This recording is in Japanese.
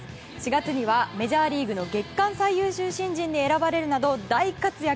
４月にはメジャーリーグの月間最優秀新人に選ばれるなど大活躍。